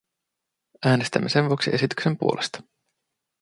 Äänestämme sen vuoksi esityksen puolesta.